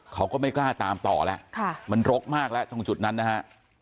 เขาก็ไม่กล้าตามต่อแล้วมันรกมากแล้วตรงจุดนั้นนะฮะ